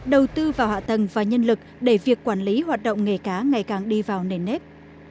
đầu tư vào hạ tầng và nhân lực để việc quản lý hoạt động nghề cá ngày càng đi vào nền nếp